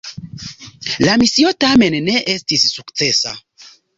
La misio tamen ne estis sukcesa.